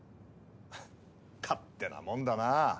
ははっ勝手なもんだな。